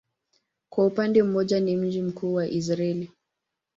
Kwa upande mmoja ni mji mkuu wa Israel.